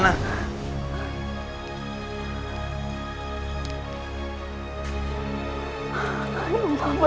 ya allah bantuan tuhan bayangkan